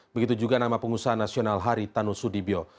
begitu juga nama pengusaha nasional hari tanu sudibyo